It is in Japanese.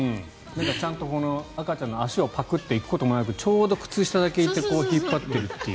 ちゃんと赤ちゃんの足をパクッていくこともなくちょうど靴下だけいって引っ張っているっていう。